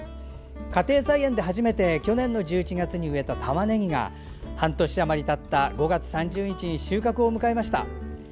家庭菜園で初めて去年の１１月に植えたたまねぎが半年あまりたった５月３０日に収穫を迎えました。